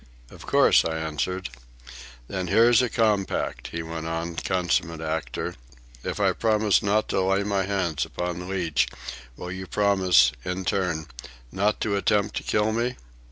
"Of course," I answered. "Then here's a compact," he went on, consummate actor. "If I promise not to lay my hands upon Leach will you promise, in turn, not to attempt to kill me?"